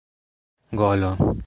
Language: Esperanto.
golo